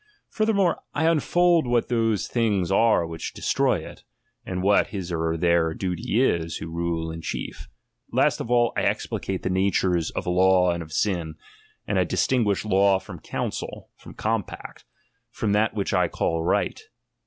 Furthermore, I unfold what those tilings ore which destroy it, and what his or their duty is, who rule in chief. Last of all, I explicate the natures of law and of sin ; and I distinguish law from counsel, from comj^act, from that which 1 coll right.